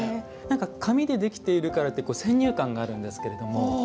紙でできているからって先入観があるんですけども。